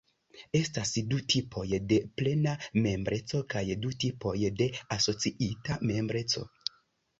Estas du tipoj de plena membreco kaj du tipoj de asociita membreco.